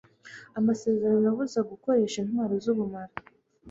Amasezerano abuza gukoresha intwaro z'ubumara